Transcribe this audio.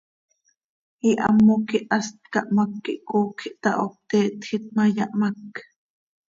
Ihamoc quih hast cahmác quih coocj ihtaho, pte htjiit ma, yahmác.